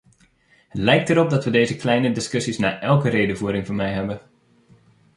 Het lijkt erop dat we deze kleine discussies na elke redevoering van mij hebben.